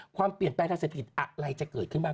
ความเปลี่ยนแปลงทางเศรษฐกิจอะไรจะเกิดขึ้นบ้าง